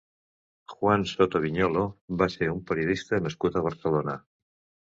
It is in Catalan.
Juan Soto Viñolo va ser un periodista nascut a Barcelona.